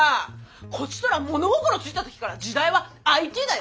こちとら物心ついた時から時代はＩＴだよ？